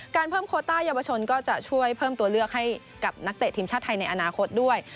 เพิ่มโคต้าเยาวชนก็จะช่วยเพิ่มตัวเลือกให้กับนักเตะทีมชาติไทยในอนาคตด้วย